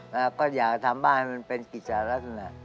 แล้วก็อยากทำบ้านให้มันเป็นกิจลักษณะ